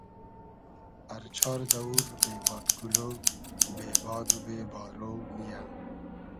ار چار دئوور بې بادگولۉ ، بې باد و بې بارۉ نییۂ